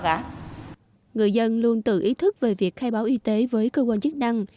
hà nội đã tự ý thức về việc khai báo y tế với cơ quan chức năng